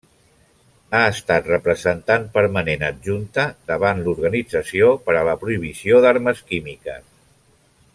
Ha estat representant permanent adjunta davant l'Organització per a la Prohibició d'Armes Químiques.